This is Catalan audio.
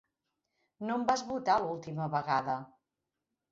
No em vas votar l'última vegada.